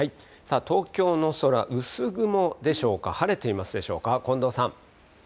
東京の空、薄雲でしょうか、晴れていますでしょうか、近藤さん。